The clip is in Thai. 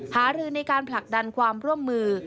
หารือในการผลักดันความร่วมมือ